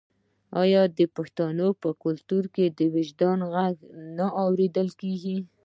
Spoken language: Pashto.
آیا د پښتنو په کلتور کې د وجدان غږ نه اوریدل کیږي؟